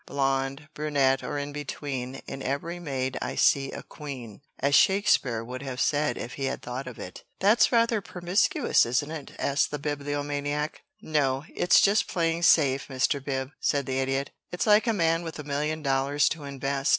Blonde, brunette, or in between, in every maid I see a queen, as Shakespeare would have said if he had thought of it." "That's rather promiscuous, isn't it?" asked the Bibliomaniac. "No, it's just playing safe, Mr. Bib," said the Idiot. "It's like a man with a million dollars to invest.